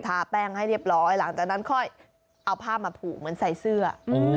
แป้งให้เรียบร้อยหลังจากนั้นค่อยเอาผ้ามาผูกเหมือนใส่เสื้อ